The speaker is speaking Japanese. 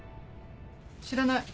知らない。